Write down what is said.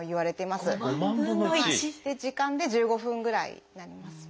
時間で１５分ぐらいになりますね。